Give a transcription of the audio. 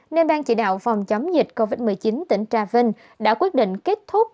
nên ban chỉ đạo phòng chống dịch covid một mươi chín tỉnh trà vinh đã quyết định kết thúc